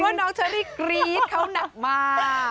น้องเชอรี่กรี๊ดเขาหนักมาก